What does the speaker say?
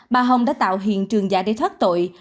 bà hồng đã tạo hiện trường giả để thoát tội